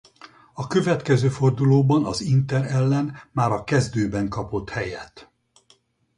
A következő fordulóban az Inter ellen már a kezdőben kapott helyet.